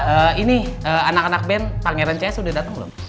eee ini anak anak band pangeran cs udah dateng belum